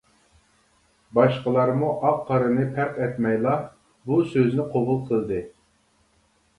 باشقىلارمۇ ئاق-قارىنى پەرق ئەتمەيلا بۇ سۆزنى قوبۇل قىلدى.